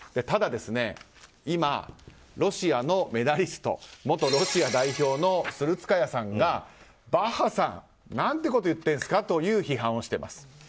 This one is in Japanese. ただ今、ロシアのメダリスト元ロシア代表のスルツカヤさんがバッハさん何てこと言ってるんですかという批判をしてます。